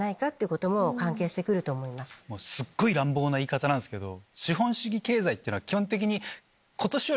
すっごい乱暴な言い方なんですけど。